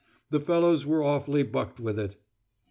The fellows were awfully bucked with it."